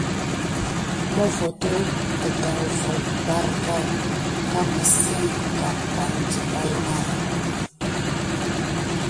Avoto tat kuzabe bardaou mizine agampa diy awale bayague.